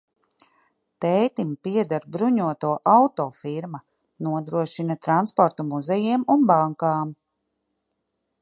Tētim pieder bruņoto auto firma, nodrošina transportu muzejiem un bankām.